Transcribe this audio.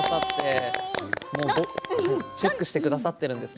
チェックしてくださっているんですね。